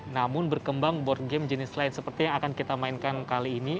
namun berkembang board game jenis lain seperti yang akan kita mainkan kali ini